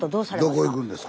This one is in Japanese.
どこ行くんですか？